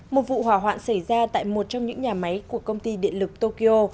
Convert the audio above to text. một vụ hỏa hoạn xảy ra tại một trong những nhà máy của công ty điện lực tokyo